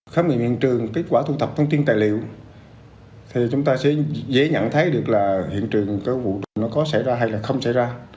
khám nghiệm hiện trường kết quả thu thập thông tin tài liệu thì chúng ta sẽ dễ nhận thấy được là hiện trường cái vụ nó có xảy ra hay là không xảy ra